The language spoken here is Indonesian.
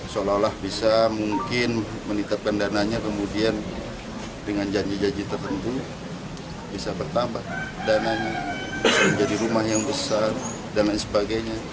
seolah olah bisa mungkin menitapkan dananya kemudian dengan janji janji tertentu bisa bertambah dananya bisa menjadi rumah yang besar dan lain sebagainya